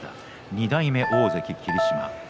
２代目大関霧島。